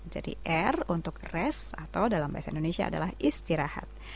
jadi r untuk rest atau dalam bahasa indonesia adalah istirahat